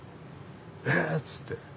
「え⁉」つって。